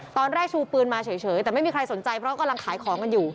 ตอนแรกชูปืนมาเฉยแต่ไม่มีใครสนใจเพราะกำลังขายของกันอยู่